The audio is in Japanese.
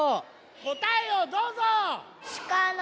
こたえをどうぞ！